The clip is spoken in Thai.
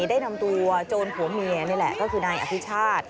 ได้นำตัวโจรผัวเมียนี่แหละก็คือนายอภิชาติ